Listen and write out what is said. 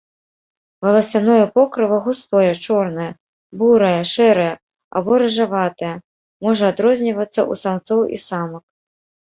Валасяное покрыва густое, чорнае, бурае, шэрае або рыжаватае, можа адрознівацца ў самцоў і самак.